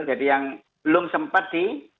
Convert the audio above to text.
jadi yang belum sempat